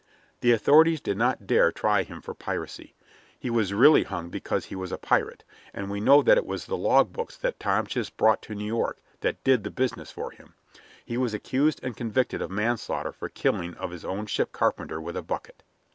The authorities did not dare try him for piracy. He was really hung because he was a pirate, and we know that it was the log books that Tom Chist brought to New York that did the business for him; he was accused and convicted of manslaughter for killing of his own ship carpenter with a bucket.